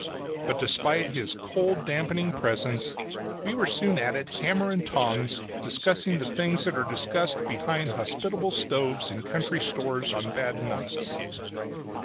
But despite his cold, dampening presence we were soon at it, hammer and tongs, discussing the things that are discussed behind hospitable stoves in country stores on bad nights.